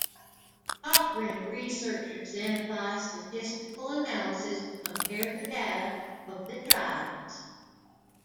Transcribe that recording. Cochrane Researchers then apply statistical analysis to compare the data of the trials.